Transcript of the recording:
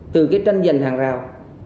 từ cái tranh giành hàng rào